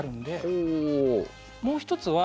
もう一つは。